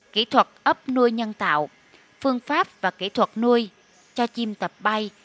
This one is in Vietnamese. kỹ thuật ấp nuôi nhân tạo phương pháp và kỹ thuật nuôi cho chim tập bay